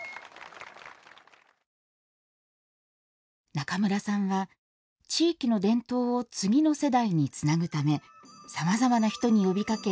中村さんは、地域の伝統を次の世代につなぐためさまざまな人に呼びかけ